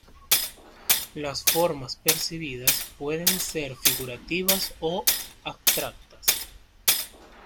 Las formas percibidas pueden ser figurativas o abstractas.